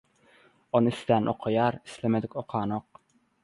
Ony islän okaýar, islemedik okanok.